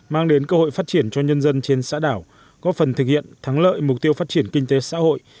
mang đến cơ hội phát triển cho nhân dân trên xã đảo góp phần thực hiện thắng lợi mục tiêu phát triển kinh tế xã hội